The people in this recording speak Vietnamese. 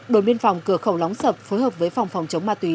đồn biên phòng cửa khẩu lóng sập phối hợp với phòng phòng chống ma túy